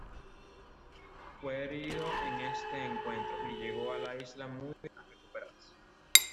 Fue herido en este encuentro y llegó a la Isla Muir a recuperarse.